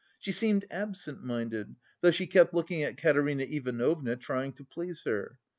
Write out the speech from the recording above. She seemed absent minded, though she kept looking at Katerina Ivanovna, trying to please her.